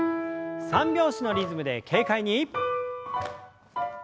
三拍子のリズムで軽快に。